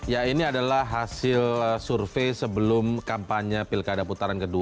ya ini adalah hasil survei sebelum kampanye pilkada putaran kedua